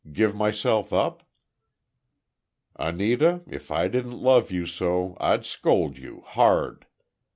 give myself up?" "Anita, if I didn't love you so, I'd scold you, hard!